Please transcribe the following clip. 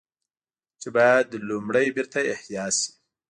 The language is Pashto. چې بايد لومړی بېرته احياء شي